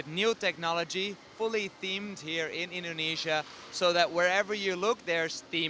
dan kami memiliki perjalanan dari seluruh dunia